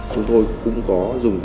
chúng tôi cũng có dùng